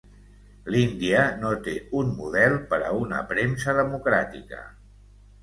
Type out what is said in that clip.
L'Índia no té un model per a una premsa democràtica.